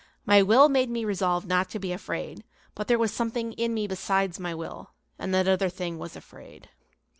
My will made me resolve not to be afraid, but there was something in me besides my will, and that other thing was afraid.